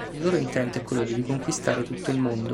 Il loro intento è quello di riconquistare tutto il mondo.